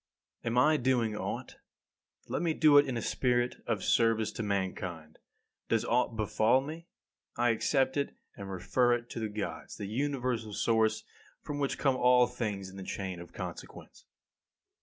23. Am I doing aught? Let me do it in a spirit of service to mankind. Does aught befall me? I accept it and refer it to the Gods, the universal source from which come all things in the chain of consequence.